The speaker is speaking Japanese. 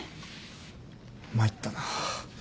参ったな。